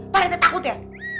parete takut ya